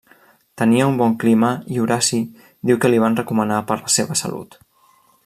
Tenia un bon clima i Horaci diu que li van recomanar per la seva salut.